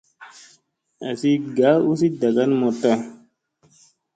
Azi ŋgaa usi dagani moɗta.